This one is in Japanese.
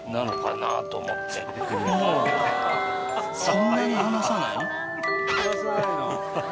そんなに離さない？